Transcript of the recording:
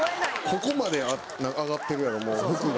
ここまで上がってるやろ服が。